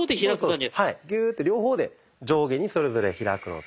ギューッて両方で上下にそれぞれ開くのと。